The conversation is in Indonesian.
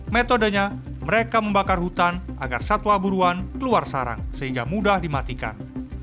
metodenya mereka membakar hutan agar satwa buruan keluar sarang sehingga mudah dimatikan